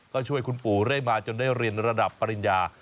ก็ช่วยคุณปู่เรื่อยมาจนได้เรียนระดับปริญญา